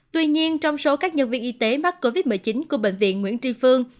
tuy nhiên trong số các nhân viên y tế mắc covid một mươi chín của bệnh viện nguyễn tri phương